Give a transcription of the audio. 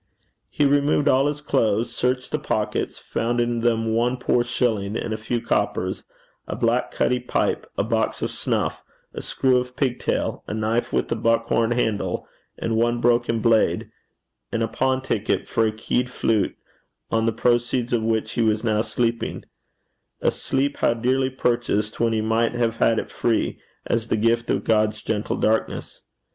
He removed all his clothes, searched the pockets, found in them one poor shilling and a few coppers, a black cutty pipe, a box of snuff, a screw of pigtail, a knife with a buckhorn handle and one broken blade, and a pawn ticket for a keyed flute, on the proceeds of which he was now sleeping a sleep how dearly purchased, when he might have had it free, as the gift of God's gentle darkness!